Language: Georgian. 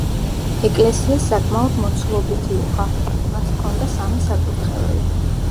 ეკლესიას საკმაოდ მოცულობითი იყო, მას ჰქონდა სამი საკურთხეველი.